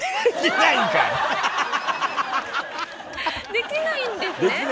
できないんですね。